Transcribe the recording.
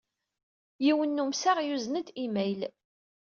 Yiwen n umsaɣ yuzen-d imayl.